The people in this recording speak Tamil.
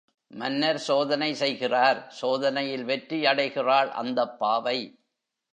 மன்னர் சோதனை செய்கிறார் சோதனையில் வெற்றியடைகிறாள் அந்தப்பாவை.